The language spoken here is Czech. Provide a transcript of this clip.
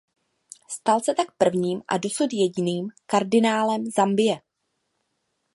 Stal se tak prvním a dosud jediným kardinálem Zambie.